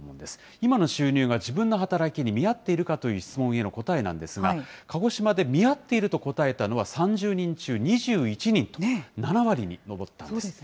今の収入が自分の働きに見合っているかという質問への答えなんですが、鹿児島で見合っていると答えたのは、３０人中２１人と、７割に上ったんです。